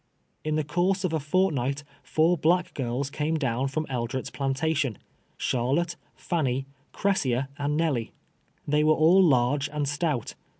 In the course of a f u tnight, four black girls came down from Eldret's plantation —^ Charlotte, Fanny, Cresia and Nelly. They were all large and stout.